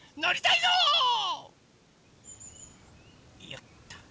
いよっと。